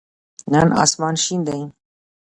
نن آسمان شین دی.